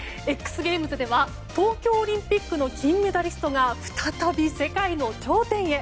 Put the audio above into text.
ＸＧＡＭＥＳでは東京オリンピックの金メダリストが再び世界の頂点へ。